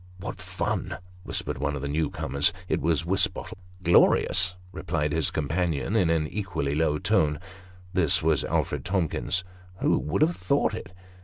" What fun !" whispered one of the new comers. It was Wisbottle. " Glorious !" replied his companion, in an equally low tone. This was Alfred Tomkins. " Who would have thought it